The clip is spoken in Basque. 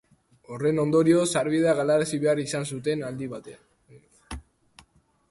Horren ondorioz, sarbidea galarazi behar izan zuten aldi batean.